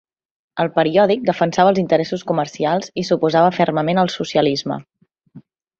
El periòdic defensava els interessos comercials i s'oposava fermament al socialisme.